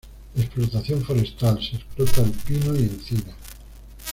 Explotación forestal: Se explota el pino y encino.